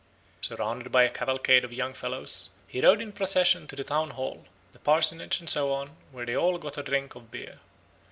Surrounded by a cavalcade of young fellows, he rode in procession to the town hall, the parsonage, and so on, where they all got a drink of beer.